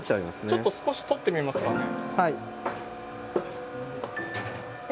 ちょっと少し取ってみますかね。